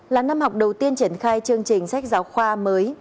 là năm học đầu tiên triển khai chương trình sách giáo khoa mới